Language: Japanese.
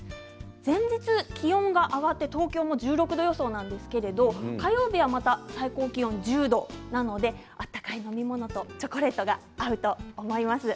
前日、気温が上がって東京も１６度予想なんですが火曜日は、また最高気温１０度なので温かい飲み物とチョコレートが合うと思います。